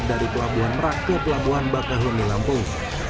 dari pelabuhan merak ke pelabuhan bakah lumi lampung